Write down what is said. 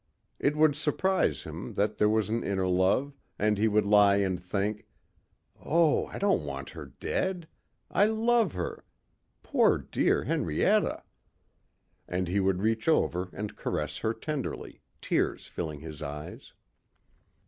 It would surprise him, that there was an inner love, and he would lie and think, "Oh, I don't want her dead. I love her. Poor, dear Henrietta." And he would reach over and caress her tenderly, tears filling his eyes.